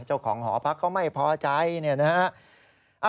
เจ้าของหอพักเขาไม่พอใจเนี่ยนะฮะ